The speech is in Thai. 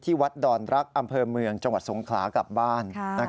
ที่วัดดรรดรักย์อำเภอเมืองจังหวัดทรงขลากลับบ้าน